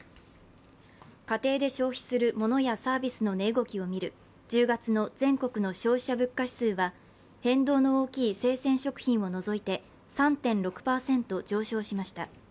家庭で消費するモノやサービスの値動きを見る１０月の全国消費者物価指数は変動の大きい生鮮食品を除いて３．６％上昇しました。